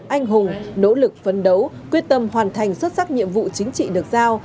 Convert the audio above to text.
anh hùng nỗ lực phấn đấu quyết tâm hoàn thành xuất sắc nhiệm vụ chính trị được giao